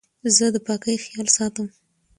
زه د پاکۍ خیال ساتم.